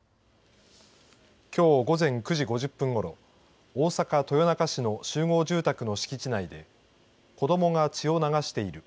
きょう午前９時５０分ごろ大阪、豊中市の集合住宅の敷地内で子どもが血を流している。